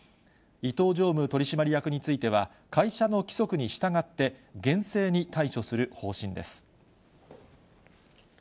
伊東常務取締役については、会社の規則に従って、厳正に対処する方針です。